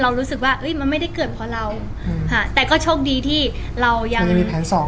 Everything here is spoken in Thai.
เรารู้สึกว่าอุ๊ยมันไม่ได้เกิดเพราะเราค่ะแต่ก็โชคดีที่เรายังมันยังมีแผนสอง